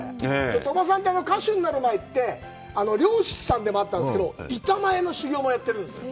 鳥羽さんって歌手になる前、漁師さんでもあったんですけど、板前の修業もやってるんですよ。